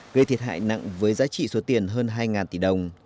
gây thiệt hại nặng với giá trị số tiền hơn hai tỷ đồng